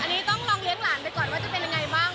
อันนี้ต้องลองเลี้ยงหลานไปก่อนว่าจะเป็นยังไงบ้าง